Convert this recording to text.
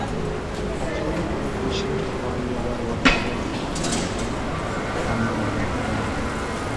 কক্সবাজার জেলা পুলিশের করা ইয়াবার গডফাদারদের তালিকায়ও তাঁর নাম এক নম্বরে।